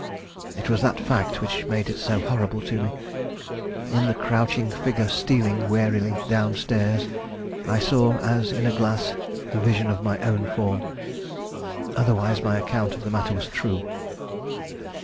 It was that fact which made it so horrible to me. In the crouching figure stealing warily down stairs, I saw as in a glass the vision of my own form. Otherwise my account of the matter was true.